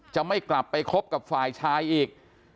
จะไม่กลับไปคบกับฝ่ายชายอีก